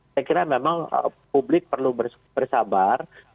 saya kira memang publik perlu bersabar